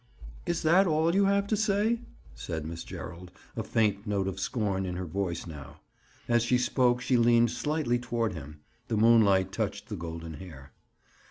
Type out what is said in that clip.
"Is that all you have to say?" said Miss Gerald, a faint note of scorn in her voice now. As she spoke she leaned slightly toward him. The moonlight touched the golden hair.